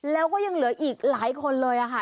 แล้วก็ยังเหลืออีกหลายคนเลยค่ะ